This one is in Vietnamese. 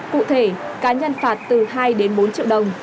cụ thể cá nhân phạt từ hai đến bốn triệu đồng